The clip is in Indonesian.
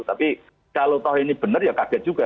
tapi kalau toh ini benar ya kaget juga